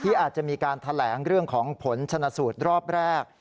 อาจจะมีการแถลงเรื่องของผลชนะสูตรรอบแรก